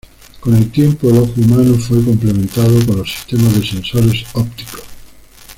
Con el tiempo, el ojo humano fue complementado con los sistemas de sensores ópticos.